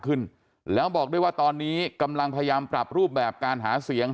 ขึ้นแล้วบอกด้วยว่าตอนนี้กำลังพยายามปรับรูปแบบการหาเสียง